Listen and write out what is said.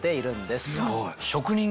すごい。